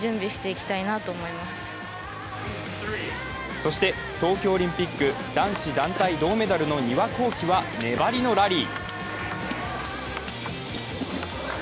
そして、東京オリンピック男子団体銅メダルの丹羽孝希は粘りのラリー。